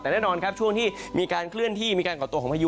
แต่แน่นอนครับช่วงที่มีการเคลื่อนที่มีการก่อตัวของพายุ